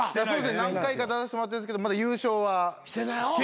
何回か出させてもらってるんですけどまだ優勝はしてないですね。